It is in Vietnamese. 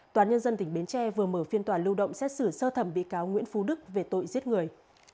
tòa nhân dân tỉnh bến tre vừa mở phiên tòa lưu động xét xử sơ thẩm bị cáo nguyễn phú đức về tội giết người